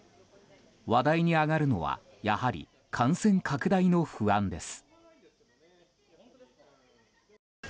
話題に上がるのはやはり感染拡大の不安です。